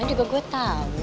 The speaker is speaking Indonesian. ada perlu apa sama gue